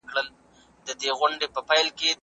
ایا ته پوهېږې چې سپینې وريځې له څه جوړې دي؟